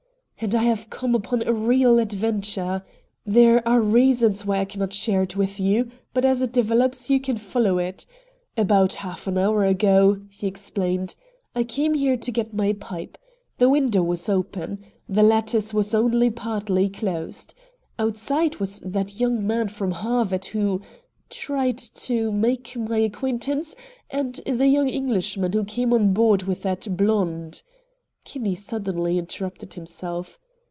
"And I have come upon a real adventure. There are reasons why I cannot share it with you, but as it develops you can follow it. About half an hour ago," he explained, "I came here to get my pipe. The window was open. The lattice was only partly closed. Outside was that young man from Harvard who tried to make my acquaintance, and the young Englishman who came on board with that blonde." Kinney suddenly interrupted himself.